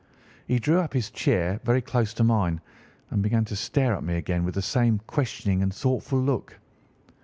He drew up his chair very close to mine and began to stare at me again with the same questioning and thoughtful look.